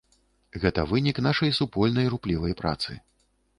Гэта вынік нашай супольнай руплівай працы.